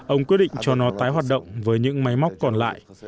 ông quyết định cho nó tái hoạt động với những máy móc còn lại